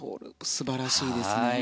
素晴らしいですね。